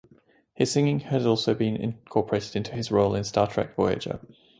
His singing has also been incorporated into his role in "Star Trek: Voyager".